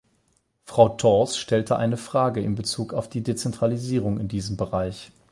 Frau Thors stellte eine Frage in bezug auf die Dezentralisierung in diesem Bereich.